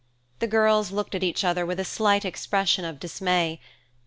The girls looked at each other with a slight expression of dismay.